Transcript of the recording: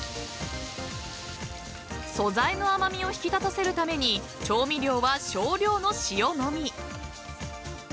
［素材の甘味を引き立たせるために調味料は少量の塩のみ！］